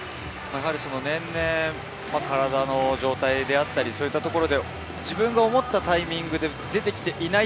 年々、体の状態であったり、そういったところで自分が思ったタイミングで出てきていない。